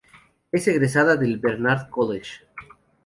Es egresada del Barnard College.